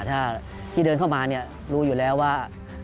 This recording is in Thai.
ถ้าที่เดินเข้ามาเนี่ยรู้อยู่แล้วว่า